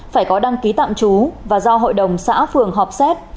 phải có đăng ký tạm trú và do hội đồng xã phường họp xét